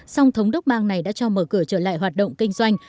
song thống đốc bang này đã cho mở cửa trở lại hoạt động kinh doanh